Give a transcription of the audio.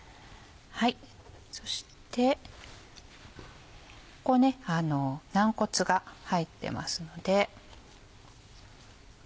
そしてここね軟骨が入ってますので。